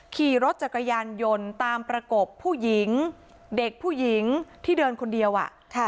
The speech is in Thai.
ขี่รถจักรยานยนต์ตามประกบผู้หญิงเด็กผู้หญิงที่เดินคนเดียว